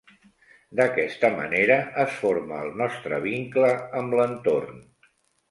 D'aquesta manera es forma el nostre vincle amb l'entorn.